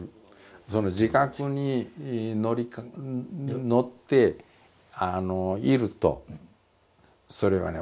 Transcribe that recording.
その自覚に乗っているとそれはね